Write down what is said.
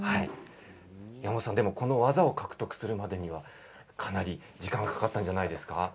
山本さん、この技を獲得するまでにはかなり時間がかかったんじゃないですか。